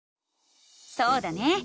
そうだね！